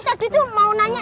tadi tuh mau nanya